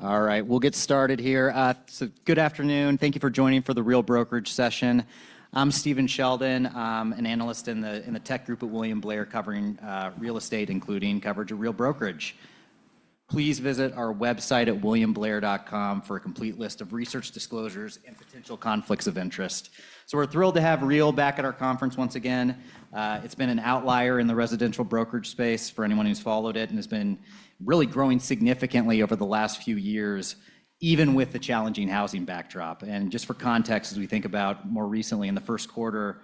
All right, we'll get started here. Good afternoon. Thank you for joining for the Real Brokerage session. I'm Stephen Sheldon, an analyst in the tech group at William Blair covering real estate, including coverage of Real Brokerage. Please visit our website at williamblair.com for a complete list of research disclosures and potential conflicts of interest. We're thrilled to have Real back at our conference once again. It's been an outlier in the residential brokerage space for anyone who's followed it and has been really growing significantly over the last few years, even with the challenging housing backdrop. Just for context, as we think about more recently in the first quarter,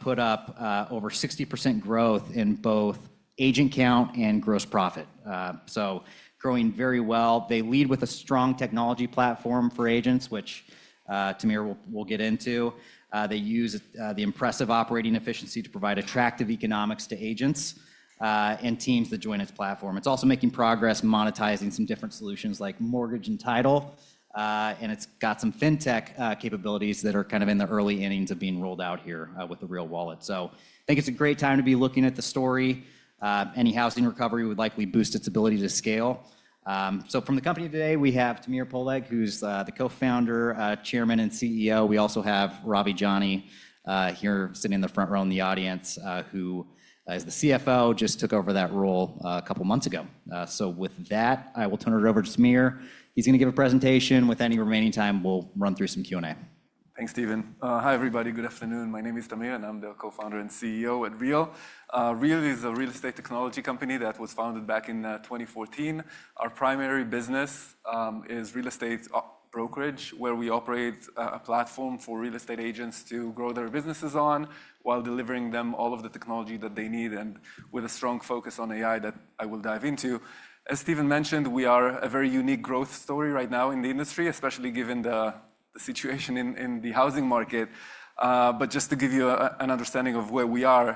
put up over 60% growth in both agent count and gross profit. Growing very well. They lead with a strong technology platform for agents, which Tamir will get into. They use the impressive operating efficiency to provide attractive economics to agents and teams that join its platform. It's also making progress monetizing some different solutions like mortgage and title. It's got some fintech capabilities that are kind of in the early innings of being rolled out here with the Real Wallet. I think it's a great time to be looking at the story. Any housing recovery would likely boost its ability to scale. From the company today, we have Tamir Poleg, who's the Co-founder, Chairman, and CEO. We also have Ravi Jani, here sitting in the front row in the audience, who is the CFO, just took over that role a couple of months ago. With that, I will turn it over to Tamir. He's going to give a presentation. With any remaining time, we'll run through some Q&A. Thanks, Stephen. Hi, everybody. Good afternoon. My name is Tamir, and I'm the Co-founder and CEO at Real. Real is a real estate technology company that was founded back in 2014. Our primary business is real estate brokerage, where we operate a platform for real estate agents to grow their businesses on while delivering them all of the technology that they need and with a strong focus on AI that I will dive into. As Stephen mentioned, we are a very unique growth story right now in the industry, especially given the situation in the housing market. Just to give you an understanding of where we are,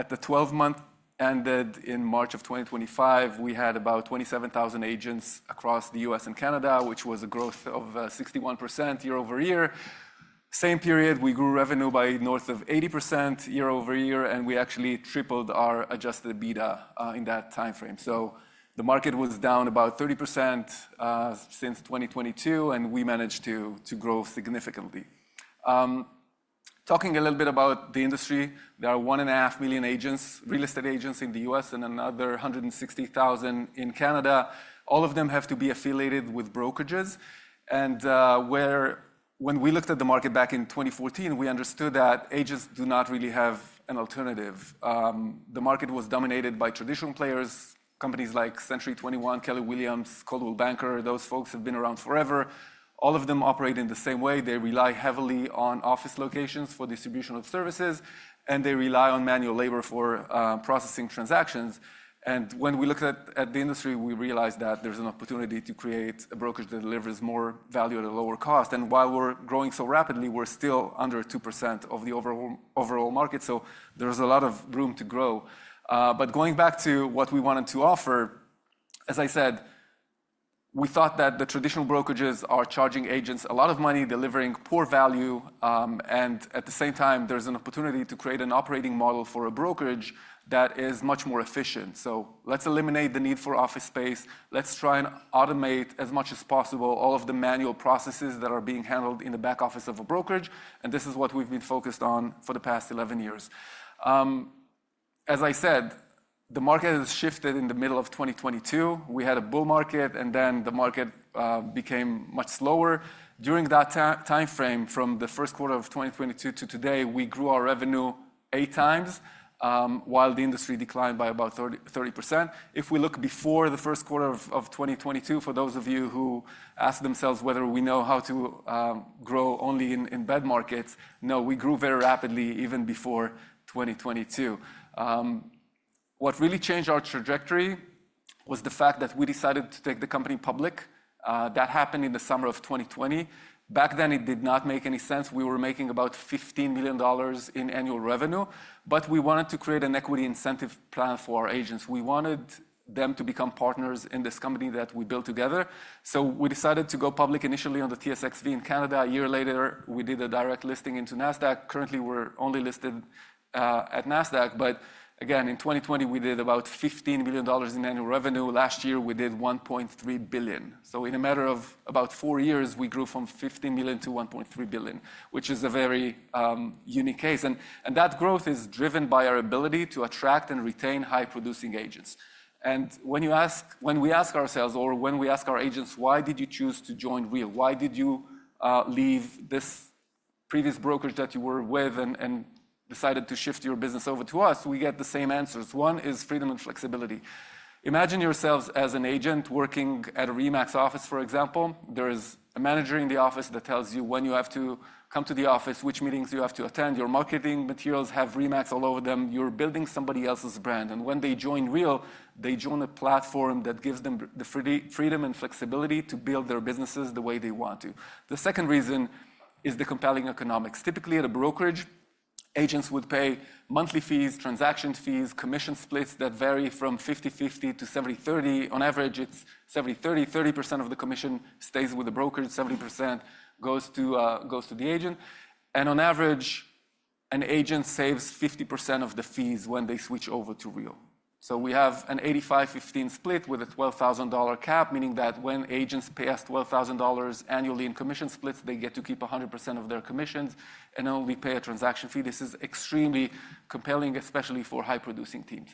at the 12-month ended in March of 2025, we had about 27,000 agents across the U.S. and Canada, which was a growth of 61% year-over-year. Same period, we grew revenue by north of 80% year-over-year, and we actually tripled our Adjusted EBITDA in that time frame. The market was down about 30% since 2022, and we managed to grow significantly. Talking a little bit about the industry, there are 1.5 million real estate agents in the U.S. and another 160,000 in Canada. All of them have to be affiliated with brokerages. When we looked at the market back in 2014, we understood that agents do not really have an alternative. The market was dominated by traditional players, companies like Century 21, Keller Williams, Coldwell Banker. Those folks have been around forever. All of them operate in the same way. They rely heavily on office locations for distribution of services, and they rely on manual labor for processing transactions. When we looked at the industry, we realized that there's an opportunity to create a brokerage that delivers more value at a lower cost. While we're growing so rapidly, we're still under 2% of the overall market. There is a lot of room to grow. Going back to what we wanted to offer, as I said, we thought that the traditional brokerages are charging agents a lot of money, delivering poor value. At the same time, there's an opportunity to create an operating model for a brokerage that is much more efficient. Let's eliminate the need for office space. Let's try and automate as much as possible all of the manual processes that are being handled in the back office of a brokerage. This is what we've been focused on for the past 11 years. As I said, the market has shifted in the middle of 2022. We had a bull market, and then the market became much slower. During that time frame, from the first quarter of 2022 to today, we grew our revenue 8x, while the industry declined by about 30%. If we look before the first quarter of 2022, for those of you who ask themselves whether we know how to grow only in bad markets, no, we grew very rapidly even before 2022. What really changed our trajectory was the fact that we decided to take the company public. That happened in the summer of 2020. Back then, it did not make any sense. We were making about $15 million in annual revenue. We wanted to create an equity incentive plan for our agents. We wanted them to become partners in this company that we built together. We decided to go public initially on the TSXV in Canada. A year later, we did a direct listing into Nasdaq. Currently, we're only listed at Nasdaq. In 2020, we did about $15 million in annual revenue. Last year, we did $1.3 billion. In a matter of about four years, we grew from $15 million to $1.3 billion, which is a very unique case. That growth is driven by our ability to attract and retain high-producing agents. When we ask ourselves or when we ask our agents, why did you choose to join Real? Why did you leave this previous brokerage that you were with and decided to shift your business over to us? We get the same answers. One is freedom and flexibility. Imagine yourselves as an agent working at a RE/MAX office, for example. There is a manager in the office that tells you when you have to come to the office, which meetings you have to attend. Your marketing materials have RE/MAX all over them. You're building somebody else's brand. When they join Real, they join a platform that gives them the freedom and flexibility to build their businesses the way they want to. The second reason is the compelling economics. Typically, at a brokerage, agents would pay monthly fees, transaction fees, commission splits that vary from 50/50 to 70/30. On average, it's 70/30. 30% of the commission stays with the brokerage. 70% goes to the agent. On average, an agent saves 50% of the fees when they switch over to Real. We have an 85/15 split with a $12,000 cap, meaning that when agents pay us $12,000 annually in commission splits, they get to keep 100% of their commissions and only pay a transaction fee. This is extremely compelling, especially for high-producing teams.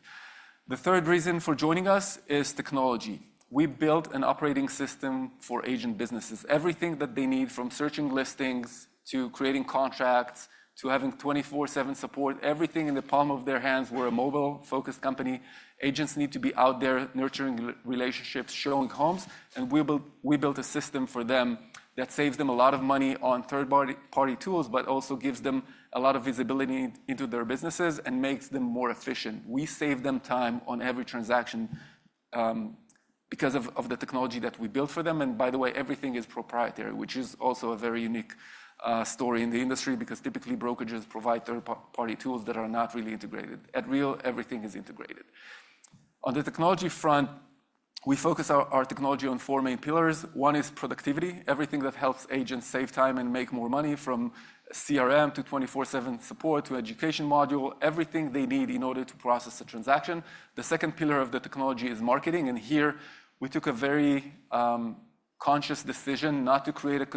The third reason for joining us is technology. We built an operating system for agent businesses. Everything that they need, from searching listings to creating contracts to having 24/7 support, everything in the palm of their hands. We're a mobile-focused company. Agents need to be out there nurturing relationships, showing homes. We built a system for them that saves them a lot of money on third-party tools, but also gives them a lot of visibility into their businesses and makes them more efficient. We save them time on every transaction because of the technology that we built for them. By the way, everything is proprietary, which is also a very unique story in the industry because typically brokerages provide third-party tools that are not really integrated. At Real, everything is integrated. On the technology front, we focus our technology on four main pillars. One is productivity. Everything that helps agents save time and make more money, from CRM to 24/7 support to education module, everything they need in order to process a transaction. The second pillar of the technology is marketing. Here, we took a very conscious decision not to create a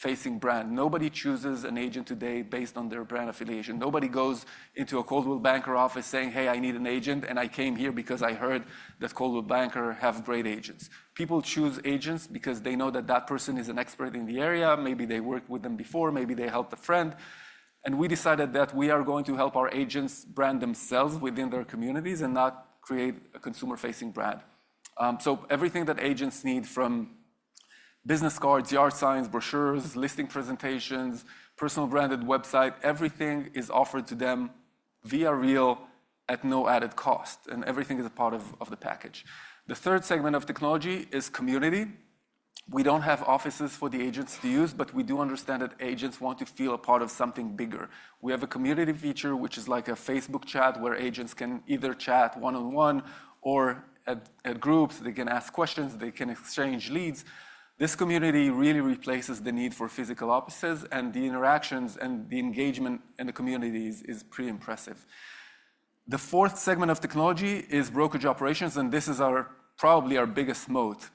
consumer-facing brand. Nobody chooses an agent today based on their brand affiliation. Nobody goes into a Coldwell Banker office saying, "Hey, I need an agent, and I came here because I heard that Coldwell Banker has great agents." People choose agents because they know that that person is an expert in the area. Maybe they worked with them before. Maybe they helped a friend. We decided that we are going to help our agents brand themselves within their communities and not create a consumer-facing brand. Everything that agents need from business cards, yard signs, brochures, listing presentations, personal branded website, everything is offered to them via Real at no added cost. Everything is a part of the package. The third segment of technology is community. We do not have offices for the agents to use, but we do understand that agents want to feel a part of something bigger. We have a community feature, which is like a Facebook chat where agents can either chat one-on-one or at groups. They can ask questions. They can exchange leads. This community really replaces the need for physical offices, and the interactions and the engagement in the communities is pretty impressive. The fourth segment of technology is brokerage operations, and this is probably our biggest moat.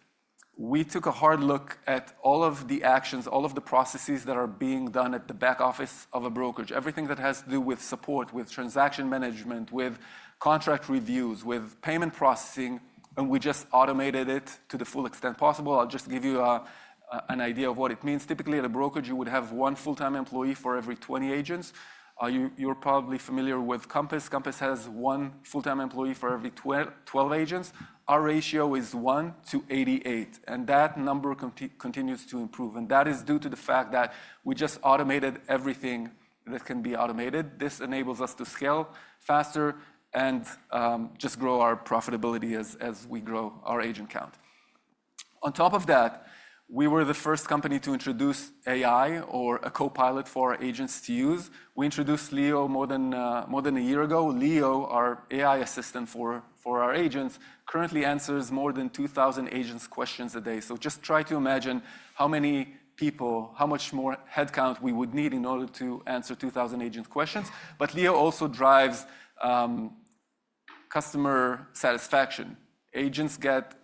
We took a hard look at all of the actions, all of the processes that are being done at the back office of a brokerage, everything that has to do with support, with transaction management, with contract reviews, with payment processing, and we just automated it to the full extent possible. I'll just give you an idea of what it means. Typically, at a brokerage, you would have one full-time employee for every 20 agents. You're probably familiar with Compass. Compass has one full-time employee for every 12 agents. Our ratio is 1/88, and that number continues to improve. That is due to the fact that we just automated everything that can be automated. This enables us to scale faster and just grow our profitability as we grow our agent count. On top of that, we were the first company to introduce AI or a copilot for our agents to use. We introduced Leo more than a year ago. Leo, our AI assistant for our agents, currently answers more than 2,000 agents' questions a day. Just try to imagine how many people, how much more headcount we would need in order to answer 2,000 agent questions. Leo also drives customer satisfaction. Agents get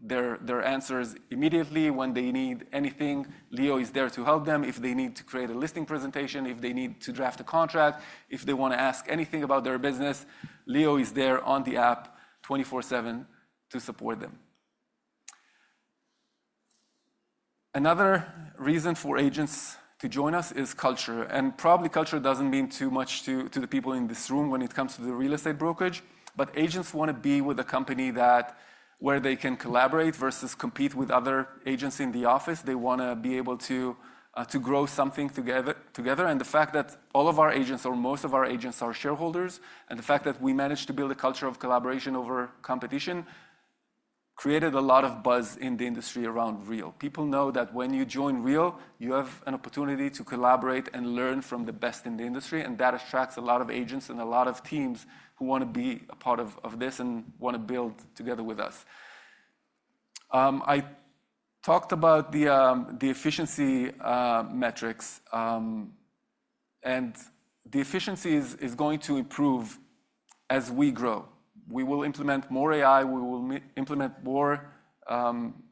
their answers immediately. When they need anything, Leo is there to help them. If they need to create a listing presentation, if they need to draft a contract, if they want to ask anything about their business, Leo is there on the app 24/7 to support them. Another reason for agents to join us is culture. Probably culture does not mean too much to the people in this room when it comes to the real estate brokerage. Agents want to be with a company where they can collaborate versus compete with other agents in the office. They want to be able to grow something together. The fact that all of our agents or most of our agents are shareholders and the fact that we managed to build a culture of collaboration over competition created a lot of buzz in the industry around Real. People know that when you join Real, you have an opportunity to collaborate and learn from the best in the industry. That attracts a lot of agents and a lot of teams who want to be a part of this and want to build together with us. I talked about the efficiency metrics. The efficiency is going to improve as we grow. We will implement more AI. We will implement more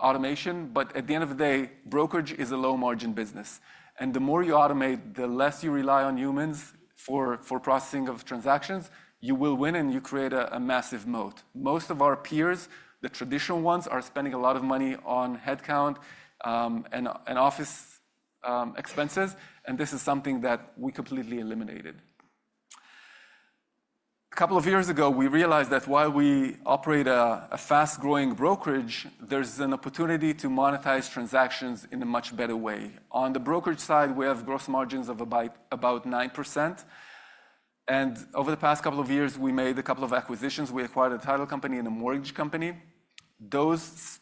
automation. At the end of the day, brokerage is a low-margin business. The more you automate, the less you rely on humans for processing of transactions, you will win and you create a massive moat. Most of our peers, the traditional ones, are spending a lot of money on headcount and office expenses. This is something that we completely eliminated. A couple of years ago, we realized that while we operate a fast-growing brokerage, there is an opportunity to monetize transactions in a much better way. On the brokerage side, we have gross margins of about 9%. Over the past couple of years, we made a couple of acquisitions. We acquired a title company and a mortgage company. Those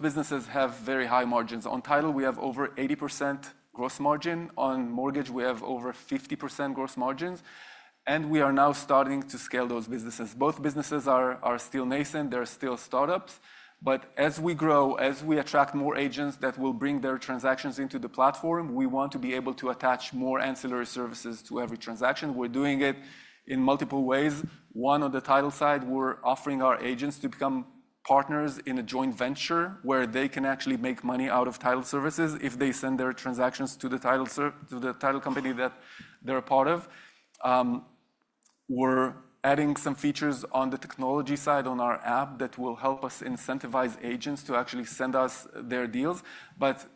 businesses have very high margins. On title, we have over 80% gross margin. On mortgage, we have over 50% gross margins. We are now starting to scale those businesses. Both businesses are still nascent. They're still startups. As we grow, as we attract more agents that will bring their transactions into the platform, we want to be able to attach more ancillary services to every transaction. We're doing it in multiple ways. One, on the title side, we're offering our agents to become partners in a joint venture where they can actually make money out of title services if they send their transactions to the title company that they're a part of. We're adding some features on the technology side on our app that will help us incentivize agents to actually send us their deals.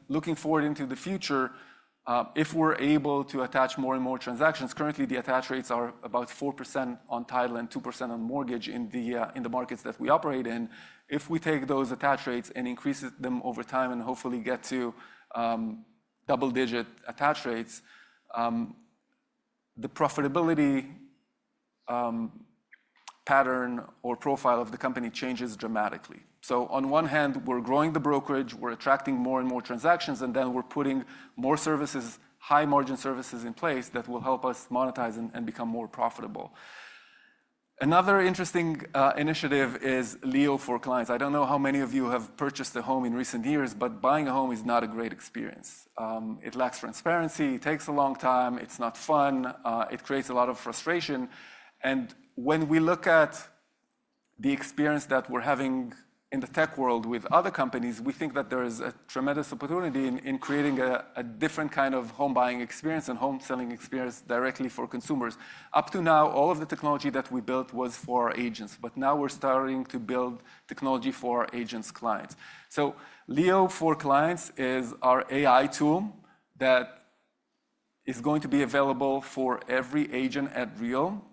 Looking forward into the future, if we're able to attach more and more transactions, currently the attach rates are about 4% on title and 2% on mortgage in the markets that we operate in. If we take those attach rates and increase them over time and hopefully get to double-digit attach rates, the profitability pattern or profile of the company changes dramatically. On one hand, we're growing the brokerage. We're attracting more and more transactions. Then we're putting more services, high-margin services in place that will help us monetize and become more profitable. Another interesting initiative is Leo for Clients. I don't know how many of you have purchased a home in recent years, but buying a home is not a great experience. It lacks transparency. It takes a long time. It's not fun. It creates a lot of frustration. When we look at the experience that we're having in the tech world with other companies, we think that there is a tremendous opportunity in creating a different kind of home buying experience and home selling experience directly for consumers. Up to now, all of the technology that we built was for our agents. Now we're starting to build technology for our agents' clients. Leo for Clients is our AI tool that is going to be available for every agent at Real.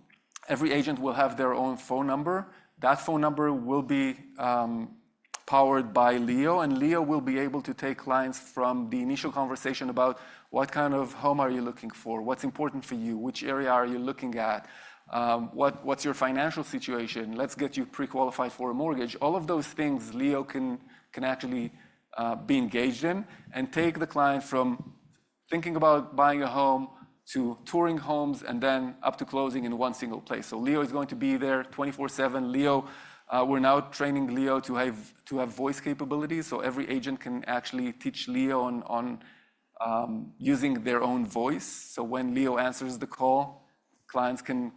Every agent will have their own phone number. That phone number will be powered by Leo. Leo will be able to take clients from the initial conversation about what kind of home are you looking for, what's important for you, which area are you looking at, what's your financial situation, let's get you pre-qualified for a mortgage. All of those things Leo can actually be engaged in and take the client from thinking about buying a home to touring homes and then up to closing in one single place. Leo is going to be there 24/7. We are now training Leo to have voice capabilities. Every agent can actually teach Leo on using their own voice. When Leo answers the call, clients can,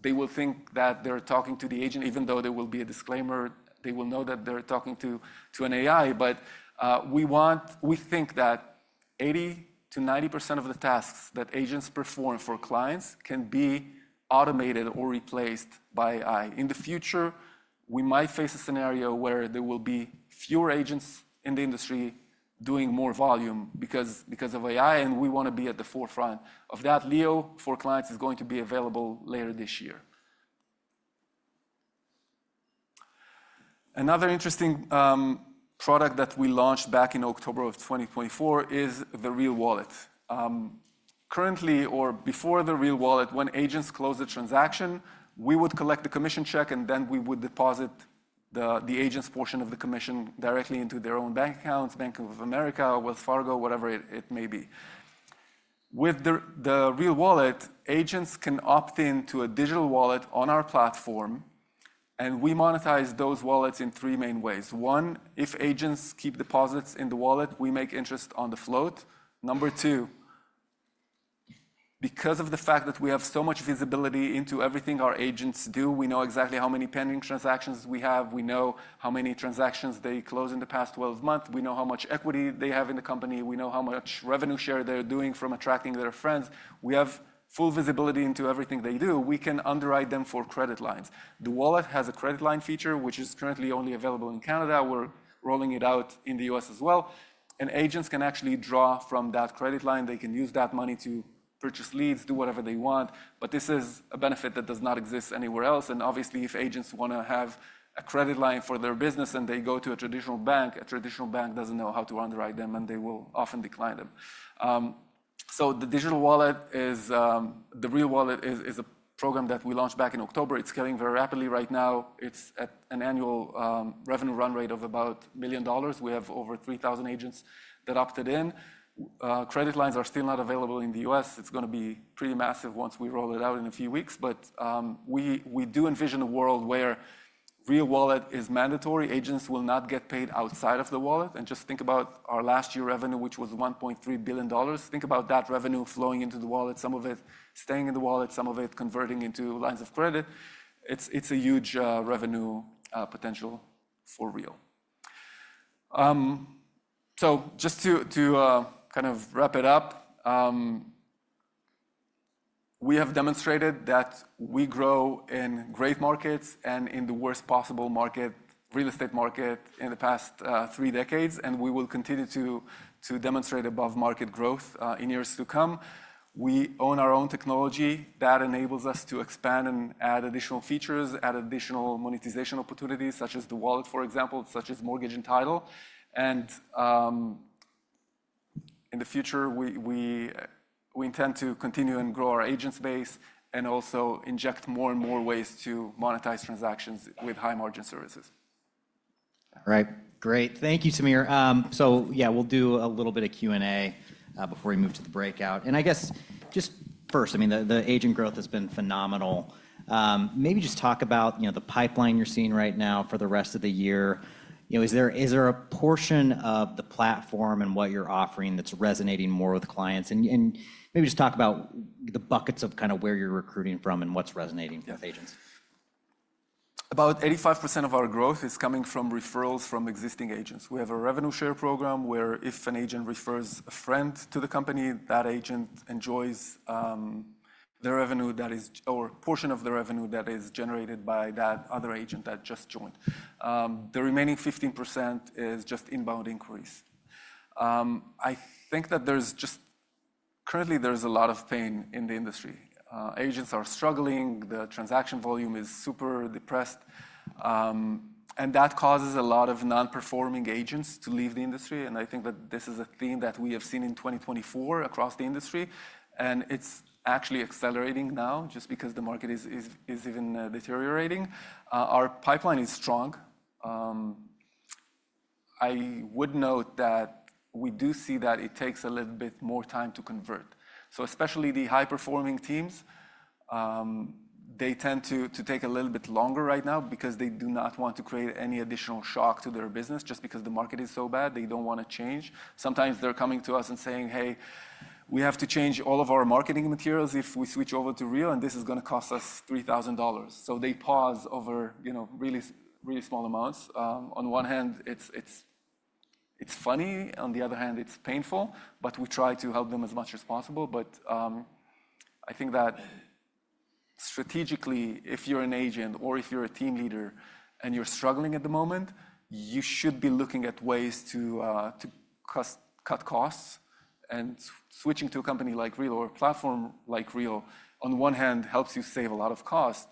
they will think that they are talking to the agent. Even though there will be a disclaimer, they will know that they are talking to an AI. We think that 80%-90% of the tasks that agents perform for clients can be automated or replaced by AI. In the future, we might face a scenario where there will be fewer agents in the industry doing more volume because of AI. We want to be at the forefront of that. Leo for Clients is going to be available later this year. Another interesting product that we launched back in October of 2024 is the Real Wallet. Currently, or before the Real Wallet, when agents close a transaction, we would collect the commission check, and then we would deposit the agent's portion of the commission directly into their own bank accounts, Bank of America, Wells Fargo, whatever it may be. With the Real Wallet, agents can opt into a digital wallet on our platform. We monetize those wallets in three main ways. One, if agents keep deposits in the wallet, we make interest on the float. Number two, because of the fact that we have so much visibility into everything our agents do, we know exactly how many pending transactions we have. We know how many transactions they closed in the past 12 months. We know how much equity they have in the company. We know how much revenue share they're doing from attracting their friends. We have full visibility into everything they do. We can underwrite them for credit lines. The wallet has a credit line feature, which is currently only available in Canada. We're rolling it out in the U.S. as well. Agents can actually draw from that credit line. They can use that money to purchase leads, do whatever they want. This is a benefit that does not exist anywhere else. Obviously, if agents want to have a credit line for their business and they go to a traditional bank, a traditional bank does not know how to underwrite them, and they will often decline them. The digital wallet, the Real Wallet, is a program that we launched back in October. It's scaling very rapidly right now. It's at an annual revenue run rate of about $1 million. We have over 3,000 agents that opted in. Credit lines are still not available in the U.S. It's going to be pretty massive once we roll it out in a few weeks. We do envision a world where Real Wallet is mandatory. Agents will not get paid outside of the wallet. Just think about our last year revenue, which was $1.3 billion. Think about that revenue flowing into the wallet, some of it staying in the wallet, some of it converting into lines of credit. It's a huge revenue potential for Real. Just to kind of wrap it up, we have demonstrated that we grow in great markets and in the worst possible market, real estate market, in the past three decades. We will continue to demonstrate above-market growth in years to come. We own our own technology that enables us to expand and add additional features, add additional monetization opportunities, such as the wallet, for example, such as mortgage and title. In the future, we intend to continue and grow our agent base and also inject more and more ways to monetize transactions with high-margin services. All right. Great. Thank you, Tamir. Yeah, we'll do a little bit of Q&A before we move to the breakout. I guess just first, I mean, the agent growth has been phenomenal. Maybe just talk about the pipeline you're seeing right now for the rest of the year. Is there a portion of the platform and what you're offering that's resonating more with clients? Maybe just talk about the buckets of kind of where you're recruiting from and what's resonating with agents. About 85% of our growth is coming from referrals from existing agents. We have a revenue share program where if an agent refers a friend to the company, that agent enjoys the revenue that is or portion of the revenue that is generated by that other agent that just joined. The remaining 15% is just inbound inquiries. I think that there's just currently, there's a lot of pain in the industry. Agents are struggling. The transaction volume is super depressed. That causes a lot of non-performing agents to leave the industry. I think that this is a theme that we have seen in 2024 across the industry. It is actually accelerating now just because the market is even deteriorating. Our pipeline is strong. I would note that we do see that it takes a little bit more time to convert. Especially the high-performing teams, they tend to take a little bit longer right now because they do not want to create any additional shock to their business just because the market is so bad. They do not want to change. Sometimes they are coming to us and saying, "Hey, we have to change all of our marketing materials if we switch over to Real, and this is going to cost us $3,000." They pause over really small amounts. On one hand, it is funny. On the other hand, it is painful. We try to help them as much as possible. I think that strategically, if you are an agent or if you are a team leader and you are struggling at the moment, you should be looking at ways to cut costs. Switching to a company like Real or a platform like Real, on one hand, helps you save a lot of cost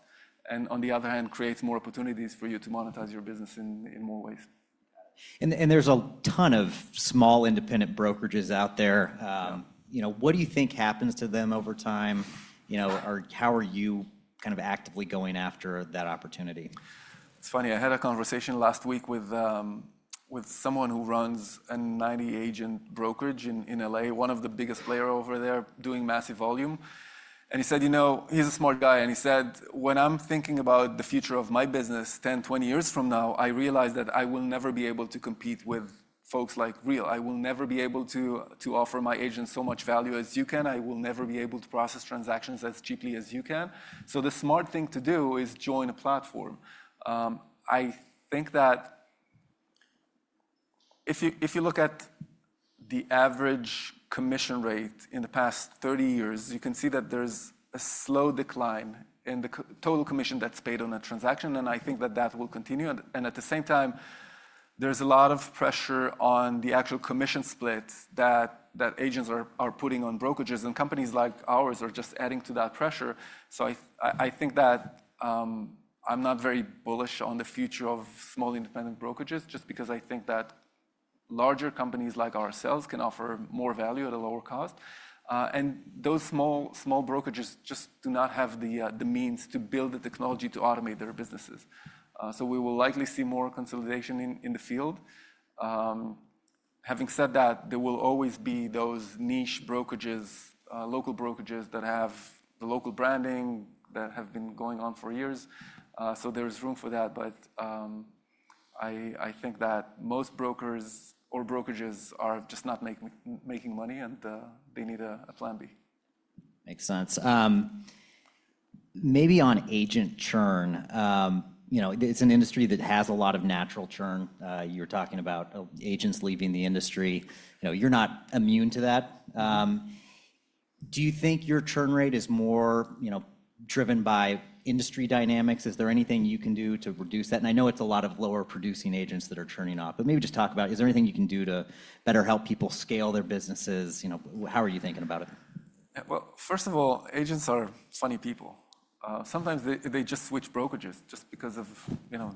and on the other hand, creates more opportunities for you to monetize your business in more ways. There is a ton of small independent brokerages out there. What do you think happens to them over time? How are you kind of actively going after that opportunity? It's funny. I had a conversation last week with someone who runs a 90-agent brokerage in L.A., one of the biggest players over there doing massive volume. He said, he's a smart guy. He said, "When I'm thinking about the future of my business 10, 20 years from now, I realize that I will never be able to compete with folks like Real. I will never be able to offer my agents so much value as you can. I will never be able to process transactions as cheaply as you can. The smart thing to do is join a platform. I think that if you look at the average commission rate in the past 30 years, you can see that there's a slow decline in the total commission that's paid on a transaction. I think that that will continue. At the same time, there's a lot of pressure on the actual commission split that agents are putting on brokerages. Companies like ours are just adding to that pressure. I think that I'm not very bullish on the future of small independent brokerages just because I think that larger companies like ourselves can offer more value at a lower cost. Those small brokerages just do not have the means to build the technology to automate their businesses. We will likely see more consolidation in the field. Having said that, there will always be those niche brokerages, local brokerages that have the local branding that have been going on for years. There is room for that. I think that most brokers or brokerages are just not making money, and they need a plan B. Makes sense. Maybe on agent churn, it's an industry that has a lot of natural churn. You're talking about agents leaving the industry. You're not immune to that. Do you think your churn rate is more driven by industry dynamics? Is there anything you can do to reduce that? I know it's a lot of lower-producing agents that are churning off. Maybe just talk about, is there anything you can do to better help people scale their businesses? How are you thinking about it? Agents are funny people. Sometimes they just switch brokerages just because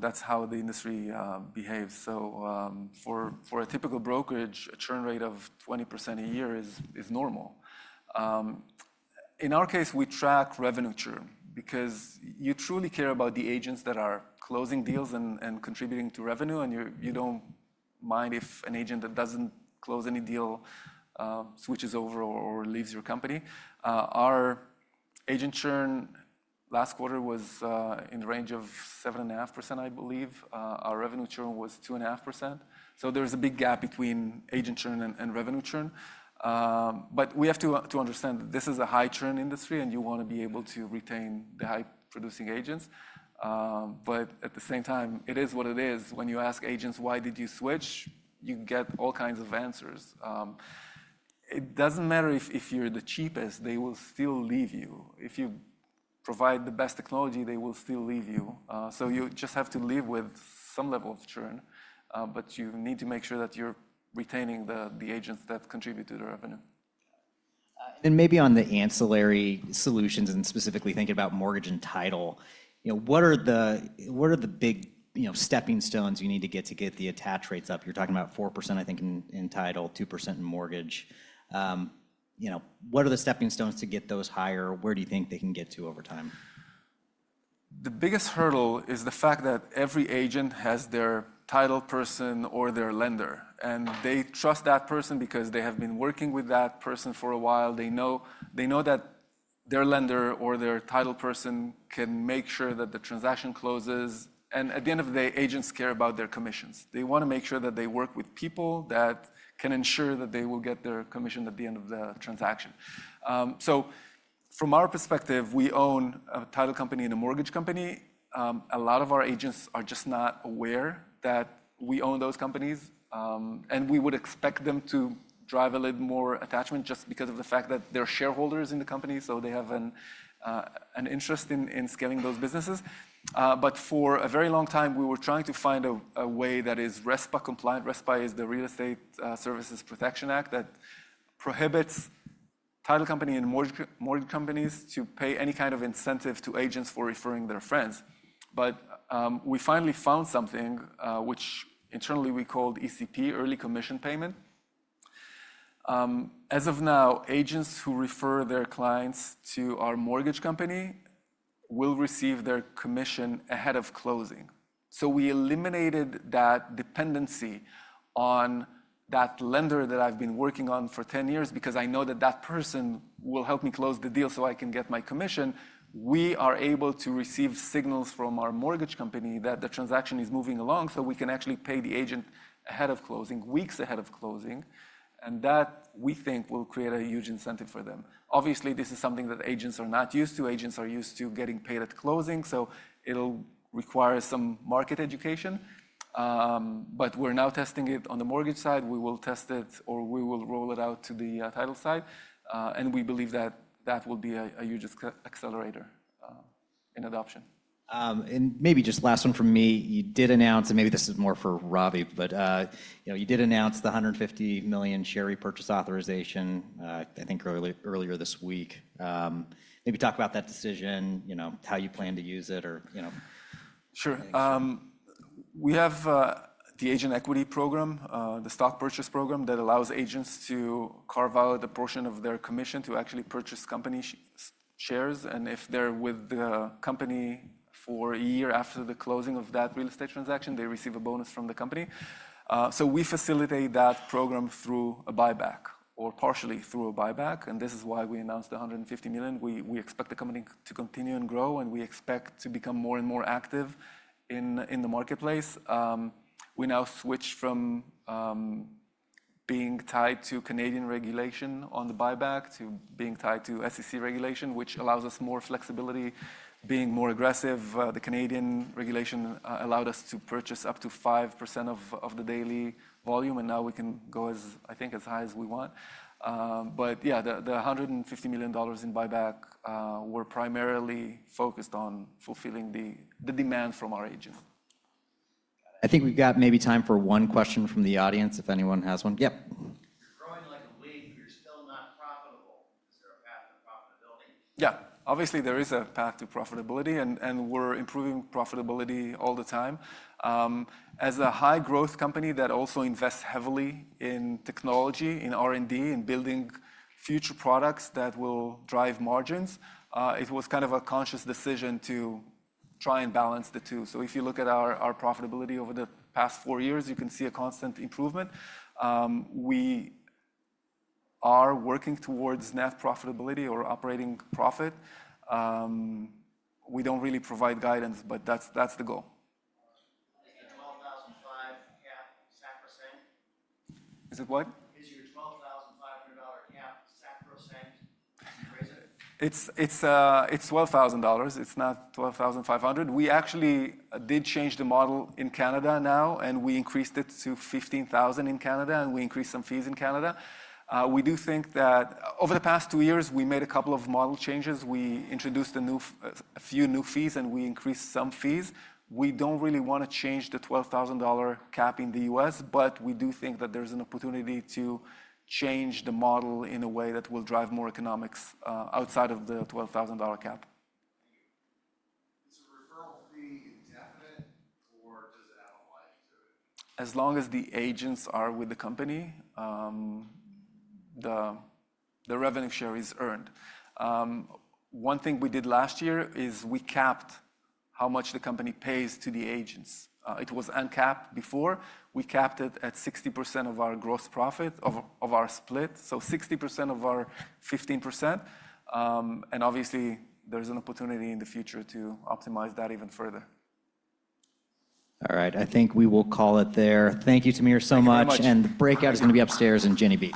that's how the industry behaves. For a typical brokerage, a churn rate of 20% a year is normal. In our case, we track revenue churn because you truly care about the agents that are closing deals and contributing to revenue. You don't mind if an agent that doesn't close any deal switches over or leaves your company. Our agent churn last quarter was in the range of 7.5%, I believe. Our revenue churn was 2.5%. There is a big gap between agent churn and revenue churn. We have to understand that this is a high-churn industry, and you want to be able to retain the high-producing agents. At the same time, it is what it is. When you ask agents, "Why did you switch?" you get all kinds of answers. It doesn't matter if you're the cheapest. They will still leave you. If you provide the best technology, they will still leave you. You just have to live with some level of churn. You need to make sure that you're retaining the agents that contribute to the revenue. Maybe on the ancillary solutions, and specifically thinking about mortgage and title, what are the big stepping stones you need to get to get the attach rates up? You're talking about 4% in title, 2% in mortgage. What are the stepping stones to get those higher? Where do you think they can get to over time? The biggest hurdle is the fact that every agent has their title person or their lender. They trust that person because they have been working with that person for a while. They know that their lender or their title person can make sure that the transaction closes. At the end of the day, agents care about their commissions. They want to make sure that they work with people that can ensure that they will get their commission at the end of the transaction. From our perspective, we own a title company and a mortgage company. A lot of our agents are just not aware that we own those companies. We would expect them to drive a little more attachment just because of the fact that they're shareholders in the company. They have an interest in scaling those businesses. For a very long time, we were trying to find a way that is RESPA compliant. RESPA is the Real Estate Settlement Procedures Act that prohibits title companies and mortgage companies to pay any kind of incentive to agents for referring their friends. We finally found something which internally we called ECP, Early Commission Payment. As of now, agents who refer their clients to our mortgage company will receive their commission ahead of closing. We eliminated that dependency on that lender that I've been working on for 10 years because I know that that person will help me close the deal so I can get my commission. We are able to receive signals from our mortgage company that the transaction is moving along so we can actually pay the agent ahead of closing, weeks ahead of closing. That, we think, will create a huge incentive for them. Obviously, this is something that agents are not used to. Agents are used to getting paid at closing. It will require some market education. We are now testing it on the mortgage side. We will test it or we will roll it out to the title side. We believe that that will be a huge accelerator in adoption. Maybe just last one from me. You did announce, and maybe this is more for Ravi, but you did announce the $150 million share repurchase authorization, I think, earlier this week. Maybe talk about that decision, how you plan to use it or. Sure. We have the Agent Equity Program, the stock purchase program that allows agents to carve out a portion of their commission to actually purchase company shares. If they are with the company for a year after the closing of that real estate transaction, they receive a bonus from the company. We facilitate that program through a buyback or partially through a buyback. This is why we announced the $150 million. We expect the company to continue and grow. We expect to become more and more active in the marketplace. We now switched from being tied to Canadian regulation on the buyback to being tied to SEC regulation, which allows us more flexibility, being more aggressive. The Canadian regulation allowed us to purchase up to 5% of the daily volume. Now we can go, I think, as high as we want. The $150 million in buyback were primarily focused on fulfilling the demand from our agent. I think we've got maybe time for one question from the audience if anyone has one. Yep. Growing like a leaf, you're still not profitable. Is there a path to profitability? Yeah. Obviously, there is a path to profitability. We're improving profitability all the time. As a high-growth company that also invests heavily in technology, in R&D, in building future products that will drive margins, it was kind of a conscious decision to try and balance the two. If you look at our profitability over the past four years, you can see a constant improvement. We are working towards net profitability or operating profit. We don't really provide guidance, but that's the goal. Is your $12,500 cap sacrosanct? Is it what? Is your $12,500 cap sacrosanct? Can you raise it? It's $12,000. It's not $12,500. We actually did change the model in Canada now. We increased it to $15,000 in Canada. We increased some fees in Canada. We do think that over the past two years, we made a couple of model changes. We introduced a few new fees, and we increased some fees. We do not really want to change the $12,000 cap in the U.S. But we do think that there is an opportunity to change the model in a way that will drive more economics outside of the $12,000 cap. Thank you. Is the referral fee indefinite, or does it have a life to it? As long as the agents are with the company, the revenue share is earned. One thing we did last year is we capped how much the company pays to the agents. It was uncapped before. We capped it at 60% of our gross profit of our split, so 60% of our 15%. And obviously, there is an opportunity in the future to optimize that even further. All right. I think we will call it there. Thank you, Tamir, so much. And the breakout is going to be upstairs in Genevieve.